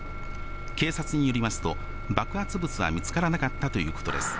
警察によりますと、爆発物は見つからなかったということです。